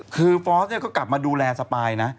คือฟอร์สเนี่ยก็กลับมาดูแลสปายนะ